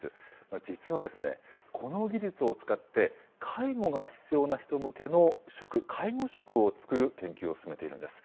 実はこの技術を使って、介護が必要な人向けの食、介護食を作る研究を進めているんです。